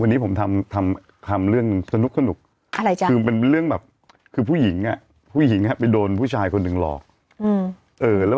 วันนี้ผมทำทำเรื่องสนุกคือเป็นเรื่องแบบคือผู้หญิงอ่ะผู้หญิงผู้หญิงไปโดนผู้ชายคนหนึ่งหลอก